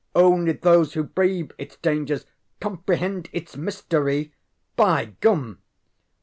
Only those who brave its dangers Comprehend its mystery. ŌĆÖ By gum!